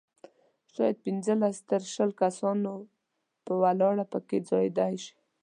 شاید پنځلس تر شل کسان په ولاړه په کې ځایېدلای شي.